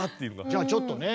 じゃあちょっとね